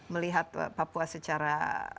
melihat papua secara